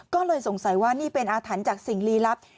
ก็เลยสงสัยว่านี่เป็นอาถรรพ์จากสิ่งลีลับ